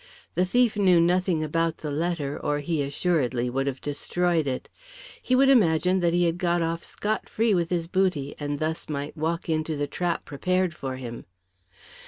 The thief knew nothing about the letter, or he assuredly would have destroyed it. He would imagine that he had got off scot free with his booty, and thus might walk into the trap prepared for him.